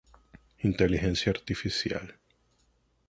Inteligencia artificial".